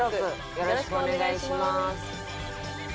よろしくお願いします。